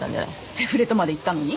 セフレとまで言ったのに？